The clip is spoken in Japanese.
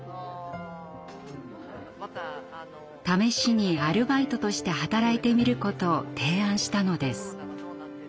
試しにアルバイトとして働いてみることを提案したのです。